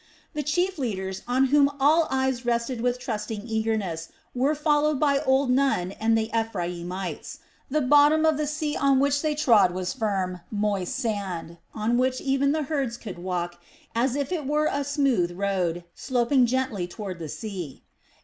The chief leaders, on whom all eyes rested with trusting eagerness, were followed by old Nun and the Ephraimites. The bottom of the sea on which they trod was firm, moist sand, on which even the herds could walk as if it were a smooth road, sloping gently toward the sea.